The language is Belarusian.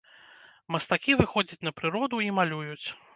Мастакі выходзяць на прыроду і малююць.